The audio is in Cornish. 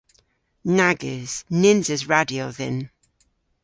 Nag eus. Nyns eus radyo dhyn.